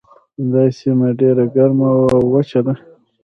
دا سیمه ډیره ګرمه او وچه ده.